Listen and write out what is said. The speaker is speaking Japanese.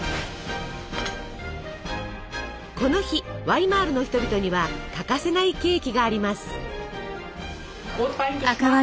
この日ワイーマルの人々には欠かせないケーキがあります。